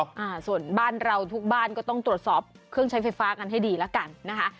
อ่าส่วนบ้านเราทุกบ้านก็ต้องตรวจสอบเครื่องใช้ไฟฟ้ากันให้ดีแล้วกันนะคะ